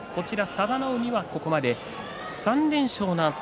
佐田の海はここまで３連勝のあと